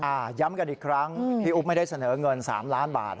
ย้ำกันอีกครั้งพี่อุ๊บไม่ได้เสนอเงิน๓ล้านบาท